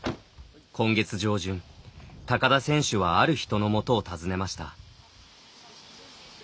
今月上旬高田選手はある人のもとを訪ねました。